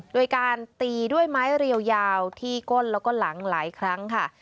โดยการตีด้วยไม้เรียวยาวที่ก้นแล้วก็หลังหลายครั้งค่ะ